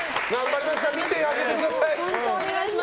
見てやってください。